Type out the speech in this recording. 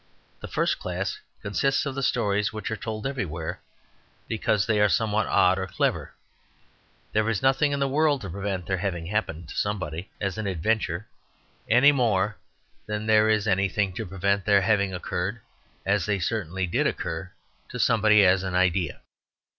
The first class consists of the stories which are told everywhere, because they are somewhat odd or clever; there is nothing in the world to prevent their having happened to somebody as an adventure any more than there is anything to prevent their having occurred, as they certainly did occur, to somebody as an idea.